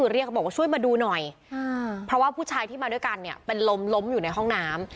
เรียกเขาบอกว่าช่วยมาดูหน่อยเพราะว่าผู้ชายที่มาด้วยกันเนี่ยเป็นลมล้มอยู่ในห้องน้ำ